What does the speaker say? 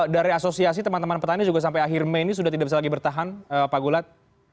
dari asosiasi teman teman petani juga sampai akhir mei ini sudah tidak bisa lagi bertahan pak gulat